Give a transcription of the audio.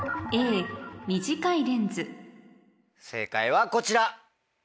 正解はこちら。